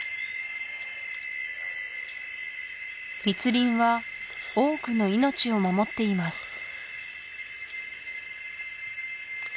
密林は多くの命を守っています